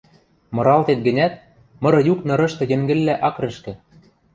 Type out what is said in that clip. Мыралтет гӹнят, мыры юк нырышты йӹнгӹллӓ ак рӹшкӹ.